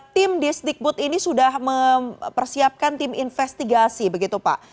tim disdikbud ini sudah mempersiapkan tim investigasi begitu pak